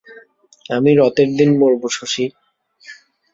আমি রথের দিন মরব শশী।